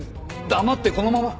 黙ってこのまま。